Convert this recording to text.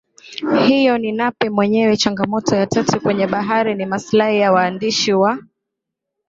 hiyo ni Nape mwenyeweChangamoto ya tatu kwenye habari ni maslahi ya waandishi wa